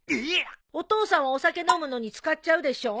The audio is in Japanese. お父さんはお酒飲むのに使っちゃうでしょ？